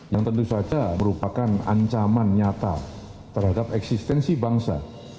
yang tentu saja merupakan ancaman nyata terhadap eksistensi bangsa